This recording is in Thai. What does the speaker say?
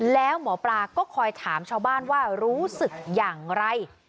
แล้วหมอปลาก็คอยถามชาวบ้านว่ารู้สึกอย่างไร